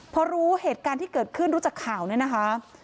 พอรู้เหตุการณ์ที่เกิดขึ้นรู้จักข่าวเนี่ยนะคะ